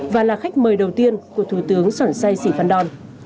và là khách mời đầu tiên của thủ tướng sòn sai sì phan đòn